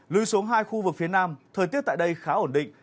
lưu xuống hai khu vực phía nam thời tiết tại đây khá ổn định